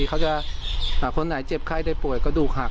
เขาจะคนไหนเจ็บไข้ได้ป่วยกระดูกหัก